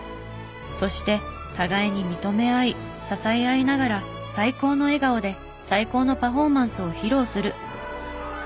そして互いに認め合い支え合いながら最高の笑顔で最高のパフォーマンスを披露する。